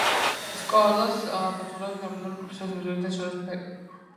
სკოლას ხელმძღვანელობს გერმანელი პროფესორი ფრიდრიხი და ჯოზეფინ ბერი.